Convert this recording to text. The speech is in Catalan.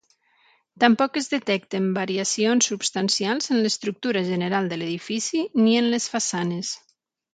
Tampoc es detecten variacions substancials en l'estructura general de l'edifici ni en les façanes.